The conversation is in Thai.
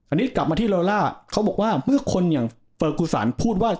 อันนี้กลับมาที่โลล่าเขาบอกว่าเมื่อคนอย่างเฟอร์กูสันพูดว่า